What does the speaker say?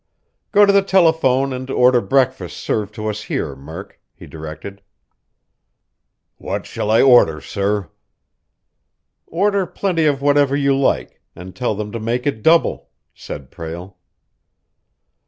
"Go to the telephone and order breakfast served to us here, Murk," he directed. "What shall I order, sir?" "Order plenty of whatever you like, and tell them to make it double," said Prale.